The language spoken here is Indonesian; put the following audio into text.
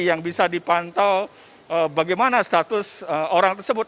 yang bisa dipantau bagaimana status orang tersebut